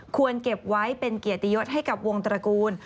เก็บไว้เป็นเกียรติยศให้กับวงตระกูล